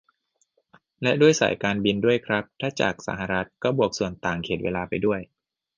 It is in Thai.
และด้วยสายการบินด้วยครับ ถ้าจากสหรัฐก็บวกส่วนต่างเขตเวลาไปด้วย